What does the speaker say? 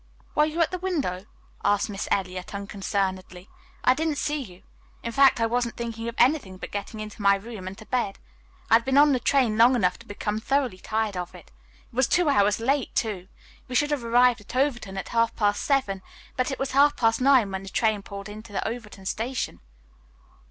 "Were you at the window?" asked Miss Eliot unconcernedly. "I didn't see you. In fact, I wasn't thinking of anything but getting into my room and to bed. I had been on the train long enough to become thoroughly tired of it. It was two hours late, too. We should have arrived at Overton at half past seven, but it was half past nine when the train pulled into the Overton station."